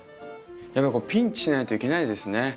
やっぱりピンチしないといけないですね。